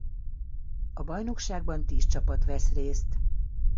A bajnokságban tíz csapat vesz részt.